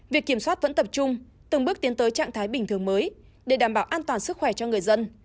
việc kiểm soát vẫn tập trung từng bước tiến tới trạng thái bình thường mới để đảm bảo an toàn sức khỏe cho người dân